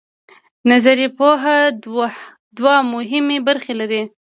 نظري پوهه دوه مهمې برخې لري.